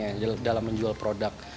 ada ceritanya dalam menjual produk